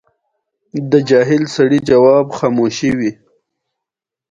د جنوبي کوریا متل وایي ښه ګاونډی له لرې ورور غوره دی.